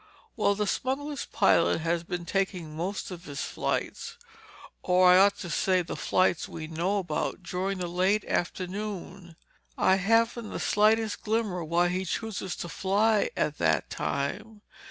"Well, the smuggler's pilot has been taking most of his flights—or I ought to say, the flights we know about—during the late afternoon. I haven't the slightest glimmer why he chooses to fly at that time.